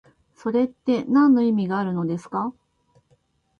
それってなんの意味があるのですか？